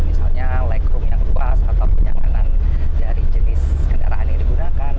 misalnya lag room yang luas atau penyanganan dari jenis kendaraan yang digunakan